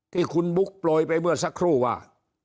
ที่คุณบุ๊คโปรยไปเมื่อสักครู่ว่า